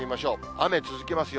雨続きますよ。